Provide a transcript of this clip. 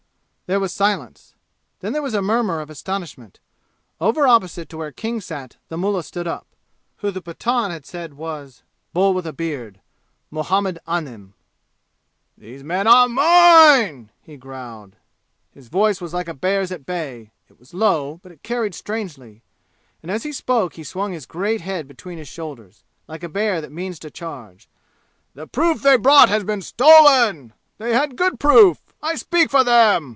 There was silence. Then there was a murmur of astonishment. Over opposite to where King sat the mullah stood up, who the Pathan had said was "Bull with a beard" Muhammad Anim. "The men are mine!" he growled. His voice was like a bear's at bay; it was low, but it carried strangely. And as he spoke he swung his great head between his shoulders, like a bear that means to charge. "The proof they brought has been stolen! They had good proof! I speak for them!